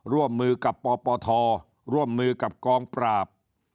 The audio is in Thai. ร่วมมือกับปปทร่วมมือกับกองปราบ